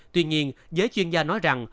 tuy nhiên giới chuyên gia nói rằng